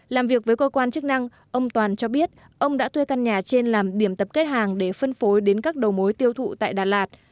làm việc với cơ quan chức năng ông toàn cho biết ông đã thuê căn nhà trên làm điểm tập kết hàng để phân phối đến các đầu mối tiêu thụ tại đà lạt